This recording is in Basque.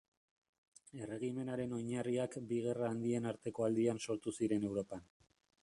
Erregimenaren oinarriak bi gerra handien arteko aldian sortu ziren Europan.